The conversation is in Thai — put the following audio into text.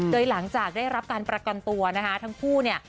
โดยหลังจากได้รับการประกันตัวนะคะทั้งคู่เนี่ย